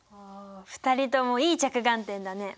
２人ともいい着眼点だね。